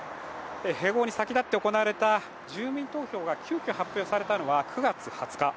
併合に先立って行われた住民投票が急きょ発表されたのは９月２０日。